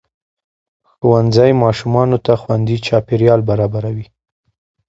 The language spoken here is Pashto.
ښوونځی ماشومانو ته خوندي چاپېریال برابروي